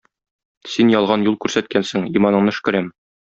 Син ялган юл күрсәткәнсең, иманыңны өшкерәм.